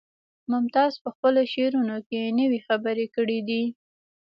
ممتاز په خپلو شعرونو کې نوې خبرې کړي دي